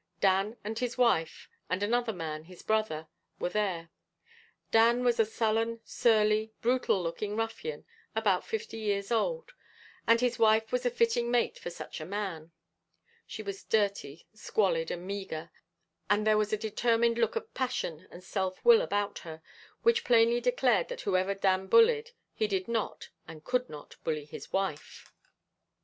Dan and his wife, and another man, his brother, were there. Dan was a sullen, surly, brutal looking ruffian, about fifty years old, and his wife was a fitting mate for such a man; she was dirty, squalid, and meagre; but there was a determined look of passion and self will about her, which plainly declared that whoever Dan bullied, he did not, and could not, bully his wife.